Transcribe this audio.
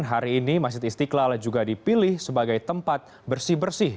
hari ini masjid istiqlal juga dipilih sebagai tempat bersih bersih